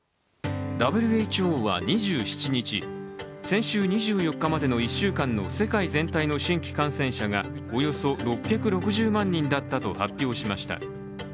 ＷＨＯは２７日、先週２４日までの１週間の世界全体の新規感染者がおよそ６６０万人だったと発表しました。